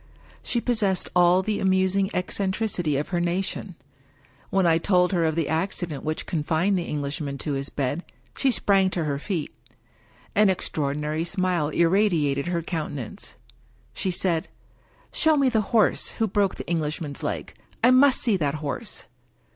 She possessed all the amusing eccentricity of her nation. When I told her of the accident which confined the Englishman to his bed, she sprang to her feet. An extraordinary smile irradiated her countenance. She said, " Show me the horse who broke the Englishman's leg ! I must see that horse